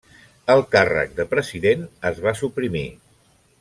El càrrec de president es va suprimir.